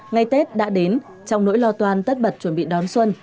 ngày tết đã đến trong nỗi lo toan tất bật chuẩn bị đón xuân